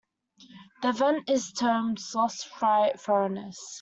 The event is termed "Sloss Fright Furnace".